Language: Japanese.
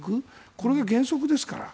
これが原則ですから。